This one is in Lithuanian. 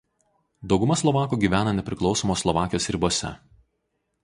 Dauguma slovakų gyvena nepriklausomos Slovakijos ribose.